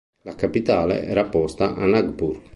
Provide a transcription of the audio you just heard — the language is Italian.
La capitale era posta a Nagpur.